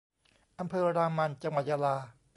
อำเภอรามัน จังหวัดยะลา